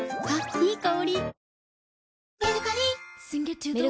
いい香り。